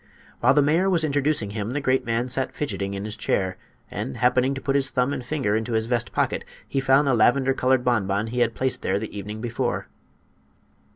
While the mayor was introducing him the great man sat fidgeting in his chair; and, happening to put his thumb and finger into his vest pocket, he found the lavender colored bonbon he had placed there the evening before.